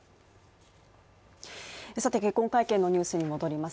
結婚会見のニュースに戻ります。